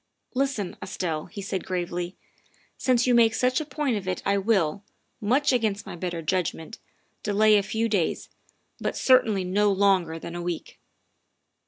" Listen, Estelle," he said gravely, " since you make such a point of it I will, much against my better judg ment, delay a few days, but certainly no longer than a week.